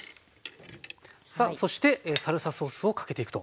さあそしてサルサソースをかけていくと。